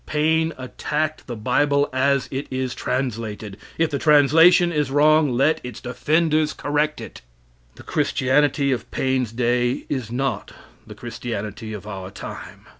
Paine attacked the Bible as it is translated. If the translation is wrong, let its defenders correct it. The Christianity of Paine's day is not the Christianity of our time.